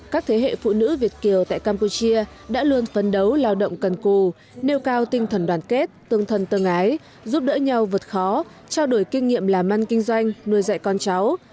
các thế hệ phụ nữ việt kiều tại campuchia đã luôn phấn đấu lao động cần cù nêu cao tinh thần đoàn kết tương thân tương ái giúp đỡ nhau vượt khó trao đổi kinh nghiệm làm ăn kinh doanh nuôi dạy con cháu